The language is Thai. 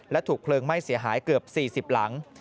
และถูกเพลิงไหม้เสียหายเกือบ๔๐หลัง